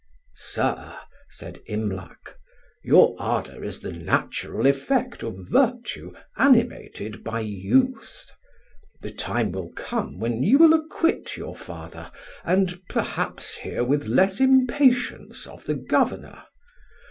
"Sir," said Imlac, "your ardour is the natural effect of virtue animated by youth. The time will come when you will acquit your father, and perhaps hear with less impatience of the governor.